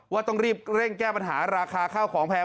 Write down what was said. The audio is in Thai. ต้องรีบเร่งแก้ปัญหาราคาข้าวของแพง